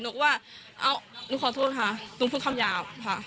หนูก็ว่าเอ้าหนูขอโทษค่ะหนูเพิ่งทำยาวค่ะ